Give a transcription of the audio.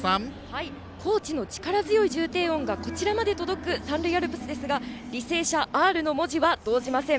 高知の力強い重低音がこちらまで続く三塁側ですが履正社Ｒの文字は、動じません。